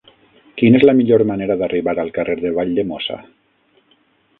Quina és la millor manera d'arribar al carrer de Valldemossa?